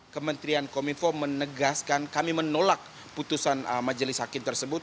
kementerian komunikasi dan informatika menegaskan kami menolak putusan majelis hakim tersebut